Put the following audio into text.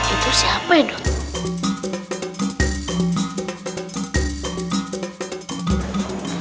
itu siapa ya dok